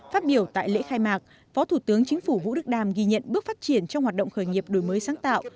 phát biểu tại lễ khai mạc phó thủ tướng chính phủ vũ đức đam ghi nhận bước phát triển trong hoạt động khởi nghiệp đổi mới sáng tạo